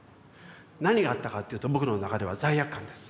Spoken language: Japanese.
何があったかっていうと僕の中では罪悪感です。